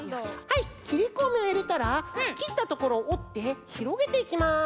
はいきりこみをいれたらきったところをおってひろげていきます。